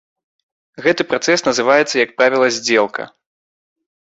Гэты працэс называецца, як правіла, здзелка.